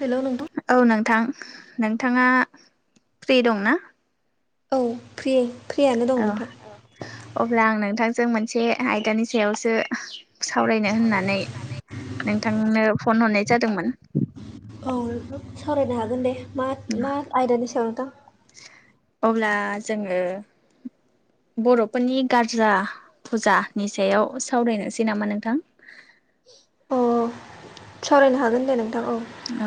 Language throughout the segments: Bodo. हेल' नोंथां। औ नोंथां नोंथाङा फ्रि दङना? औ फ्रि फ्रियानो दं औ नोंथां अब्ला आं नोंथांजों मोनसे आयदानि सायावसो सावरायनो होननानै नोंथांनो फन हरनाय जादोंमोन। औ नोंथां सावरायनो हागोन दे मा-मा आयदानि सायाव नोंथां। अब्ला जोङो बर'फोरनि गारजा फुजा नि सायाव सावरायनोसै नामा नोंथां। अ सावरायनो हागोन दे नोंथां औ। औ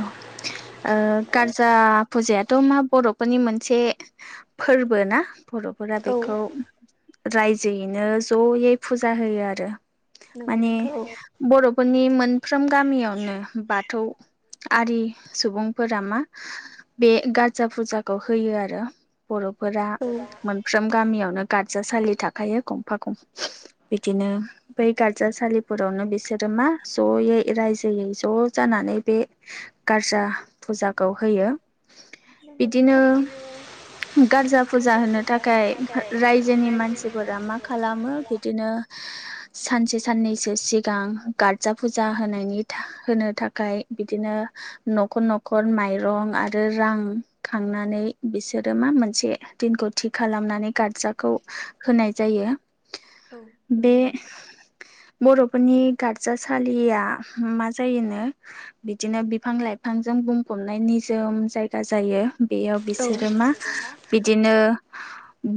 ओ गारजा फुजायाथ' मा बर'फोरनि मोनसे फोरबो ना। बर'फोरा औ बेखौ रायजोयैनो जयै फुजा होयो आरो नंगौ माने नोंथां औ बर'फोरनि मोनफ्रोम गामियावनो बाथौ आरि सुबुंफोरा मा बे गार्जा फुजाखौ होयो आरो। बर'फोरा मोनफ्रोम गामियावनो गादजासालि थाखायो गंफा गं बिदिनो बै गार्जासालिफोरावनो बिसोरो मा ज'यै रायजोयै ज' जानानै बे गार्जा फुजाखौ होयो। नंगौ नोंथां दिनो गार्जा फुजा होनो थाखाय रायजोनि मानसिफोरा मा मानसिफोर ओंखाम खालामो खालाम बिदिनो [unintelligible] सानसे साननैसो सिगां गार्जा फुजा होनायनि थाख होनो थाखाय दिनो न'खर न'खर माइरं आरो रां खांनानै बिसोरो मा मोनसे दिनखौ थिग खालामनानै गार जाखौ होनाय जायो औ बे नंगौ नोंथां बर'फोरनि गार्जासालिया मा जायोनो बिदिनो बिफां लाइफांजों बुंफबनाय निजोम जायगा जायो। बेयाव औ बिसोरो मा बिदिनो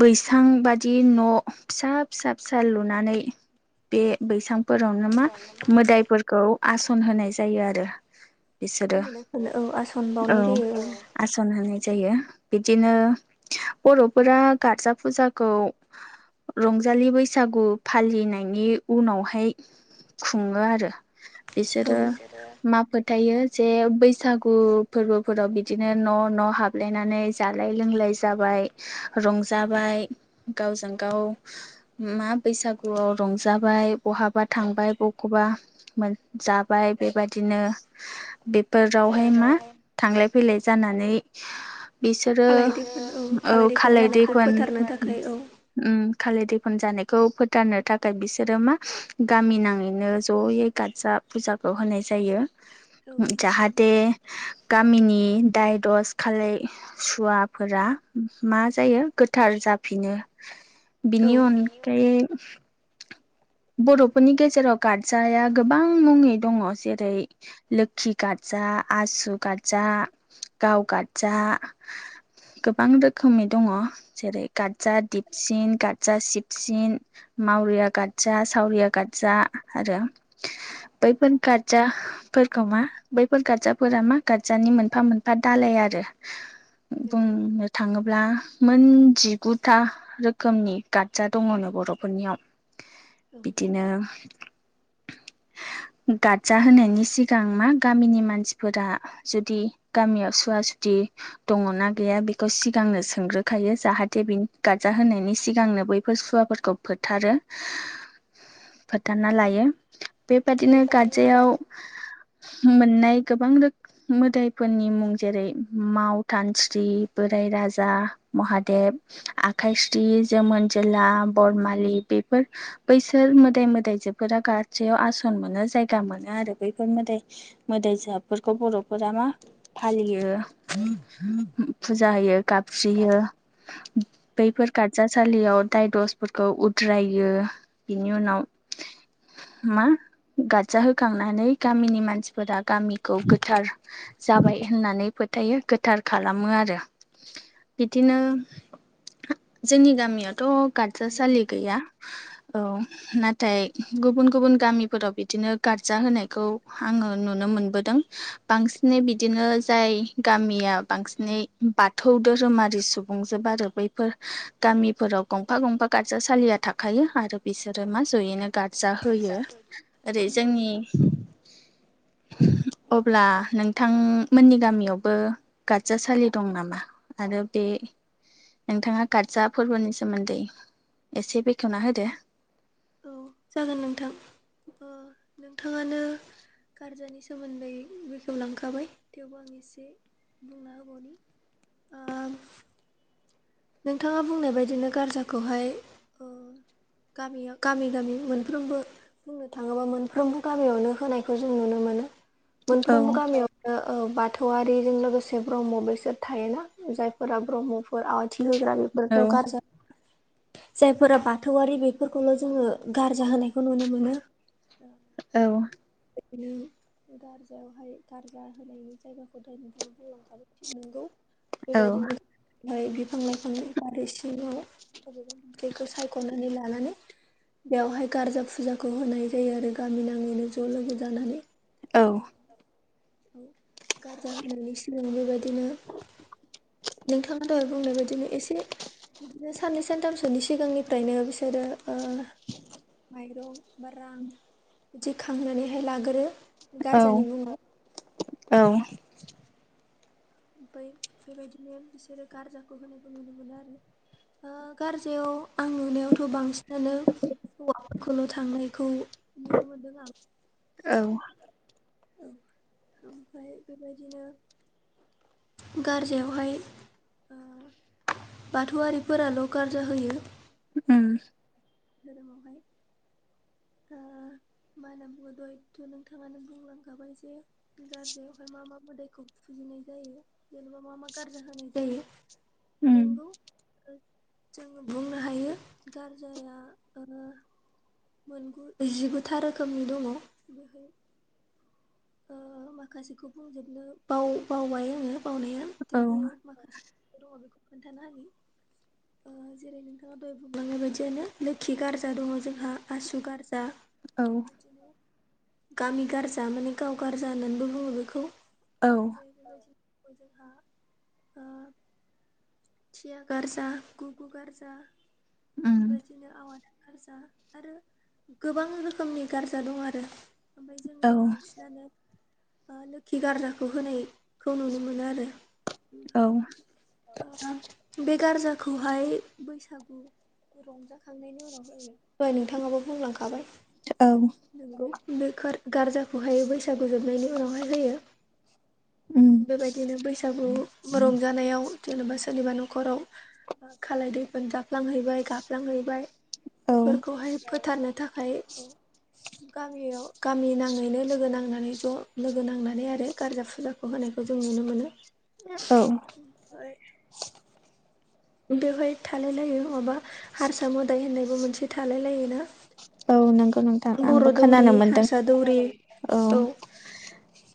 बैसां बादि न' फिसा फिसा फिसा लुनानै बे बैसांफोरावनो मा मोदाइफोरखौ आस'न होनाय जायो आरो। बिसोरो मोदायफोरनो औ आसन औ। बावनाय जायो आस'न होनाय जायो बिदिनो बर'फोरा गार्जा फुजाखौ रंजालि बैसागु फालिनायनि उनावहाय खुङो आरो औ बिसोरो मा फोथायो जे बैसागु फोर्बोफोराव बिदिनो न' न' हाब लायनानै जालाय लोंलाय जाबाय रंजाबाय गावजों गाव मा बैसागुआव रंजाबाय बहाबा थांबाय बखौबा मोन जाबाय बेबाद बिदिनो बेफोरावहाय मा थांलाय फैलाय जानानै बिसोरो खालाय दैफोन औ दैफोन खालाय जानायखौ दैफोन फोथारनो थाखाय औ उम खालाय दैफोन जानायखौ फोथारनो थाखाय बिसोरो मा गामि नाङैनो ज'यै गादजा फुजाखौ होनाय जायो उम नंगौ जाहाथे नोंथां गामिनि दाय दस खालाय सुवाफोरा मा जायो गोथार जाफिनो। बिनि अनगायै बर'फोरनि गेजेराव गार्जाया गोबां मुंनि दङ जे रै लोखि गादजा आसु गादजा गाव गादजा गोबां रोखोमै दङ। जेरै गादजा दिपसिन गादजा सिपसिन मावरिया गादजा सावरिया गादजा आरो बैफोर गाद जाफोरखौ मा बैफोर गार्जाफोरा मा गार्जानि मोनफा मोनफा दालाय आरो। उन नंगौ नोंथां। [unintelligible] थाङोब्ला मोनजिगुथा रोखोमनि गादजा दङनो बर'फोरनियाव। औ बिदिनो गाद जा होनायनि सिगां मा गामिनि मानसिफोरा जुदि गामियाव सुवा सुथि दङना गैया बेखौ सिगांनो सोंग्रो खायो जाहाथे बिनि गार्जा होनायनि सिगांनो बैफोर सुवाफोरखौ फोथारो। फोथारना लायो नंगौ बेबादिनो गाद मोननाय गोबां रोख मोदाइफोरनि मुं जेरै मावथानस्रि बोराय राजा महादेब आखाइस्रि जोमोन जोला बरमालि बेफोर बैसोर मोदाय मोदायजोफोरा गार्जायाव आस'न मोनो जाय सिगा मोनो आरो बैफोर मोदाय मोदाय जफोरखौ बर'फोरा मा फालियो फुजा होयो गाबस्रियो बैफोर गारजासालियाव दायदसफोरखौ उद्रायो बेनि उनाव मा खजाहखांनानै गामिनि मानसिफोरा गामिखौ गोथार जाबाय होननानै फोथायो गोथार खालामो आरो बिदिनो जोंनि गामियावथ' गारजासालि नोंथां गैया औ नाथाय गुबुन गुबुन गामिफोराव बिदिनो गार्जा होनायखौ आङो नुनो मोनबोदों बांसिनै बिदिनो जाय गामिया बांसिनै बाथौ धोरोमारि सुबुंजोब आरो बैफोर गामिफोराव गंफा गंफा गारजासालिया थाखायो आरो बिसोरो मा जयैनो गारजा होयो ओरै नंगौ जोंनि नोंथां औ अब्ला नोंथांमोननि गामियावबो गारजासालि दं नामा आरो बे नोंथाङा गारजा फोरबोनि सोमोन्दै एसे बेखेवना होदो औ जागोन नोंथां औ नोंथाङानो गारजानि सोमोन्दै बेखेवलांखाबाय थेवबो आं एसे बे [unintelligible] [unintelligible] नोंथाङा बुंनाय बायदिनो गारजाखौहाय गामियाव गामि गामि मोनफ्रोमबो बुंनो थाङोबा मोनफ्रोमबो गामियावनो होनायखौ जों नुनो मोनो औ मोनफ्रोमबो गामियाव बाथौआरिजों लोगोसे ब्रह्म बेसोर थायोना जायफोरा ब्रह्मफोर दग्रा औ बेिफोरथखार ज जायफोरा बाथौआरि बेफोरखौल' जोङो गारजा होनायखौ नुनो मोनो औ। बि गारजायावहाय गारजा होनायनि जायगाखौथ नोंथाङा बुंलांखाबाय नंगौ औ बेबायदिनोाय बिफां लाइफांनि बारिै सिङाव बबेबा बिखौ सायख'नानै लानानै बेवहाय गारजा फुजाखौ होनाय जायो आरो गामि नाङैनो ज' लोगो जानानै औ गारजा होनायनि सिगां बेबायदिनो नोंथाङा दहाय बुंनाय बायदिनो एसे बिदिनो साननै सानथामसोनि सिगांनिफ्रायनो बिसोरो माइरं बा रां बिदि खांनानैहाय लागोरो औ गारजानि मुङाव औ। ओमफ्राय बेबायदिनो बिसोरो गारजाखौ होनायखौ नुनो मोनो आरो गारजायाव आं नुनायावथ' बांसिनानो हौवाफोरखौल' थांनायखौ नुनो मोनदों आरो औ औ ओमफाय बेबायदिनो गारजायावहाय बाथौआरिफोराल' गारजा होयो ओम धोरोमावहाय ओ [unintelligible] मा होनना बुङो द' एथ' नोंथांङानो बुंलांखाबाय जे गाज्रियावहाय मा मा मोदायखौ फुजिनाय जायो जेनेबा मा मा गार्रिा होनाय जायो उम नोंगौ [unintelligible] जोङो बुंनो हायो गारजाया मोन जिगुथा रोखोमनि दङ। [unintelligible] माखासेखौ बुंजोबनो बाव बावबाय आङो बावनाया औ थेवबो माखासे दङ बेखौ खोन्थानो हायो जेरै नों थाङा द'हाय बुंलांनाय बायदियानो लोखि गारजा दङ जोंहा आसु गारजा औ बेबायदिनो गामि गारजा माने गाव गारजा होननानैबो बुङो बेखौ औ [unintelligible] थिया गारजा गुगु गारजा उम बेबायदि बिदिनो [unintelligible] गारजा आरो गोबां रोखोमनि गारजा दं आरो ओमफ्राय जोङो औ बांसिनानो लोखि गारजाखौ होनायखौ नुनो मोनो आरो औ ओमफ्राय बे गारजाखौहाय बैसागु रंजाखांनायनि उनाव जायो दहाय नोंथाङाबो बुंलांखाबाय औ नोंगौ बे गारजाखौहाय बैसागु जोबनायनि उनावहाय होयो उम बेबायदिनो बैसागु रंजानायाव जेनेबा सोरनिबा न'खराव खालाय दैफोन जाफ्लांहैबाय गाफ्लांहैबाय औ बेफोरखौहाय फोथारनो थाखाय औ [inaudible] गामियाव गामि नाङैनो लोगो नांनानै ज' लोगो नांनानै आरो गारजा फुजा होनायखौ जों नुनो मोनो औ ओमफ्राय बेवहाय थालाय लायो नङाबा हारसा मोदाय होननायबो मोनसे थालाय लायो ना औ नंगौ नोंथां आंबो बर' दौरि खोनानो मोनदों हारसा दौरि औ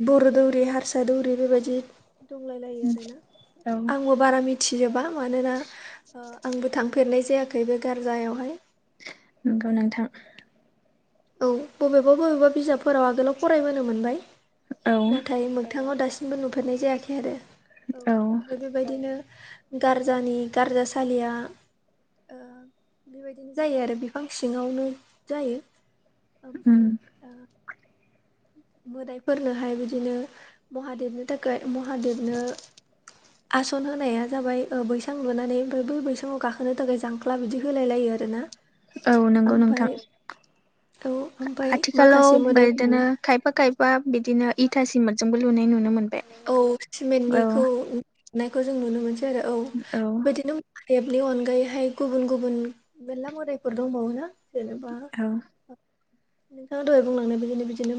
बर' दौरि हारसा दौरि बेबायदि दंलाय लायो आरोना औ आंबो बारा मिथि मिथिजोबा मानोना आंबो थांफेरनाय जायाखै बे गारजायावहाय नोंगौ नोंथां औ बबेबा बबेबा बिजाबफोराव आगोलाव फरायबोनो मोनबाय औ नाथाय मोगथाङाव दासिम [unintelligible] नुफेरनाय जायाखै आरो औ बेबायदिनो गारजानि गारजासालिया बेबायदिनो जायो आरो बिफां सिङावनो जायो उम ओमफ्राय ओ मोदायफोरनोहाय बिदिनो महादेबनो थाखाय महादेबनो आसान होनाया जाबाय बैसां लुनानै ओमफ्राय बै बैसङाव गाखोनो थाखाय जां अ बिदि होलाय लायो आरोना औ नंगौ ओमफ्राय नोंथां औ ओमफ्राय आथिखालाव माखासे मोदायफोरनो बिदिनो खाय खायफा खायफा बिदिनो इथा सिमटजोंबो लुनाय नुनो मोनो औ सिमेन्टनिखौ लुनायखौ जों नुनो मोनसै आरो औ बेबायदिनो बेनि अनगायैहाय गुबुन गुबुन मेरला मोदायफोर दंबावोना जेनेबा औ नोंथाङा दहाय बुंलांनाय बिदिनो बिदिनो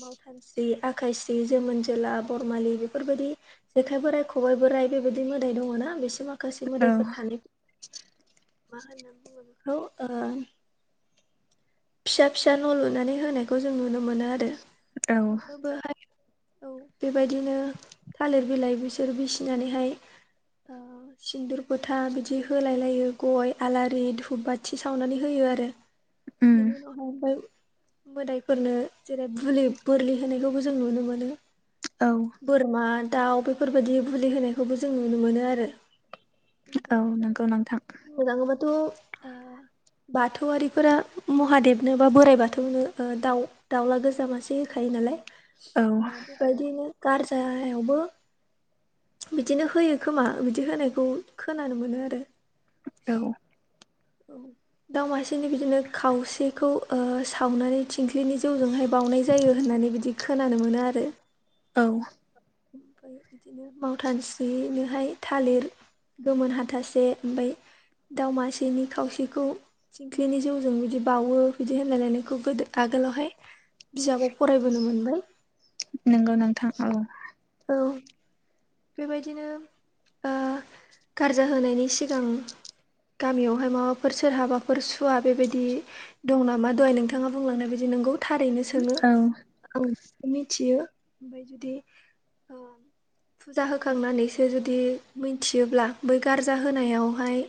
मावथानस्रि आखायस्रि जोमोनस्रि जेला बरमालि बेफोरबायदि जेखाइ बोराइ खबाइ बोराइ बेबायदि मोदाय दङ ना बिसि माख माखाै मोदाइफोर औ थानायखौ मा होनना बुङो बेखौ फिसा फिसा न' लुनानै होनायखौ जों नुनो मोनो औ आरो बोहाय औ बेबायदिनो थालिर बिलाइ बिसोर बिसिनानैहाय ओ [inaudible] सिन्दुर फोथा बिदि होलाय लायो गय आलारि धुप बाथि सावनानै होयो आरो उम बेनो उनाव हाय [unintelligible] मोदायफोरनो जेरै बुलि बोरलि होनायखौबो जों नुनो मोनो औ। बोरमा दाउ बेफोरबायदि बुलि होनायखौबो जों नुनो मोनो आरो। औ नंगौ नोंथां। मोजांबाथ' आ [inaudible] बाथौआरिफोरा महादेबनो बा बोराइ बाथौनो दाउ दाउला गोजा मासे होखायो नालाय। औ। ओ बेबायदिनो गारजायावबो बिदिनो होयो खोमा बिदि होनायखौ खोनानो मोनो आरो। औ। औ दाउ मासेनो बिदिनो खावसेखौ ओ सावनानै थिंख्लिनि जौजोंहाय बावनाय जायो होननानै बिदि खोनानो मोनो आरो। औ। ओमफ्राय बिदिनो मावथानसुयैनोहाय थालिर गोमोन हाथासे ओमफाय दाव मासेनि खावसेखौ थिंख्लिनि जौजों बिदि बावो बिदि होनलाय लायनायखौ गोदो आगोलावहाय बिजाबाव फरायबोनो मोनबाय। नोंगौ नोंथां औ। औ। बेबायदिनो ओ गारजा होनायनि सिगां गामियावहाय माबाफोर सोरहाबाफोर सुवा बेबायदि दं नामा दहाय नोंथाङा बुंलांनाय बादि नंगौ थारैनो। सोङो औ मिथियो ओमफ्राय जुदि ओ फुजा होखांनानैसो जुदि मिथियोब्ला बै गारजा होनायावहाय।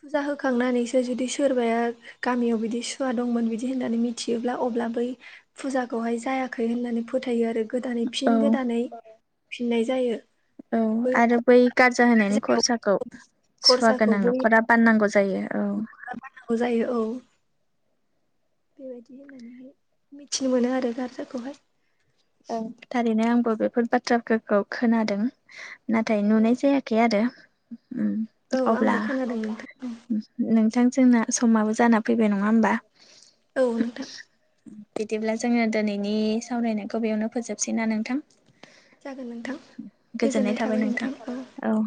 फुजा होखांनानैसो जुदि सोरबाया गामियाव बिदि सुवा दंमोन बिदि होननानै मिथियोब्ला अब्ला बै फुजाखौहाय जायाखै होननानै फोथायो आरो गोदानै औ फिन गोदानै फिननाय जायो। औ आरो बै गारजा होनायनि खरसायाव खरसाखौ सुवा खरसाखौ गोनां बै न'खरा बाननांगौ जायो। औ बाननांगौ जायो औ। बेबायदि होननानैहाय मिथिनो मोनो आरो गारजाखौहाय। औ थारैनो आंबो बेफोर बाथ्राफोरखौ खोनादों नाथाय औ नुनाय जाया। [inaudible] आरो औ अब्ला आंबो खोनादों नोंथां नोंथां जोंना समाबो जाना फैबाय नङा होमबा? औ नोंथां बिदिब्ला जोङो दिनैनि सावरायनायखौ बेयावनो फोजोबसै ना नोंथां? जागोन नोंथां गोजोननाय थाबाय नोंथां औ। औ